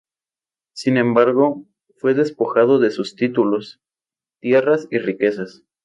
Sin embargo, fue despojado de sus títulos, tierras y riquezas.